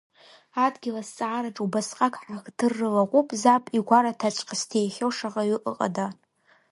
Адгьыл азҵаараҿы убасҟак ҳахдырра лаҟәуп заб игәараҭаҵәҟьа зҭихьоу шаҟаҩы ыҟада!